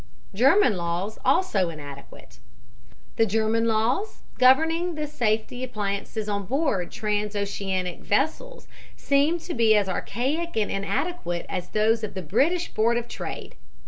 GERMAN LAWS ALSO INADEQUATE The German laws, governing the safety appliances on board trans oceanic vessels, seem to be as archaic and inadequate as those of the British Board of Trade.